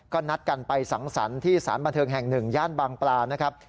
ก็นัดกันไปสังสรรค์ที่สารบันเทิงแห่ง๑ย่านบางปลานะครับ